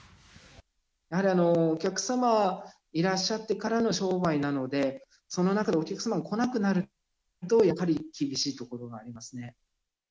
やはりお客様いらっしゃってからの商売なので、その中でお客様が来なくなると、やはり厳しいところがありますね。